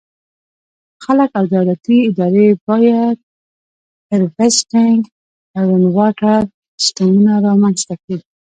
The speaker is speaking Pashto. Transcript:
خلک او دولتي ادارې باید د “Rainwater Harvesting” سیسټمونه رامنځته کړي.